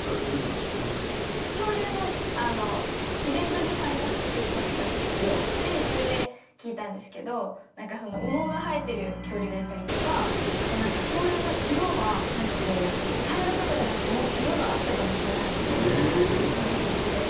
恐竜のイベントに参加させて頂いた事があってそれで聞いたんですけどなんか羽毛が生えてる恐竜がいたりとかあと恐竜の色はなんかこう茶色とかじゃなくてもっと色があったかもしれないみたいな話を聞いた事があるんですが。